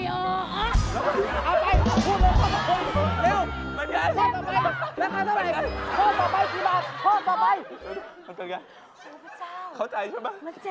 โทษนะครับขอบคุณครับ